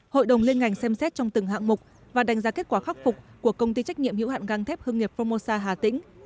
hội đồng liên ngành xem xét trong từng hạng mục và đánh giá kết quả khắc phục của công ty trách nhiệm hữu hạn găng thép hương nghiệp phongmosa hà tĩnh